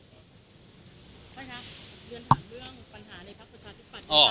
ใช่ค่ะเรียนถามเรื่องปัญหาในภาคประชาธิปัตย์